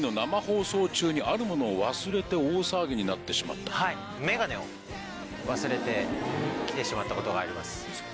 あるものを忘れて大騒ぎになってしまったと？を忘れて来てしまったことがあります。